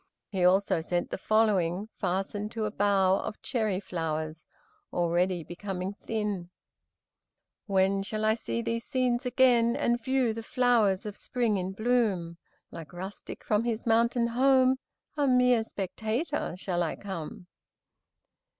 He also sent the following, fastened to a bough of cherry flowers, already becoming thin: "When shall I see these scenes again, And view the flowers of spring in bloom, Like rustic from his mountain home, A mere spectator shall I come?"